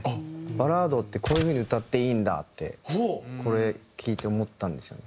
バラードってこういう風に歌っていいんだってこれ聴いて思ったんですよね。